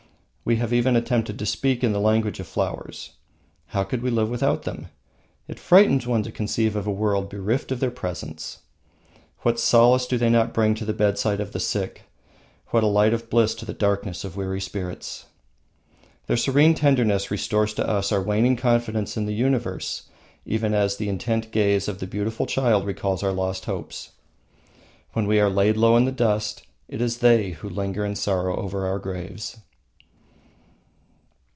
We have even attempted to speak in the language of flowers. How could we live without them? It frightens one to conceive of a world bereft of their presence. What solace do they not bring to the bedside of the sick, what a light of bliss to the darkness of weary spirits? Their serene tenderness restores to us our waning confidence in the universe even as the intent gaze of a beautiful child recalls our lost hopes. When we are laid low in the dust it is they who linger in sorrow over our graves.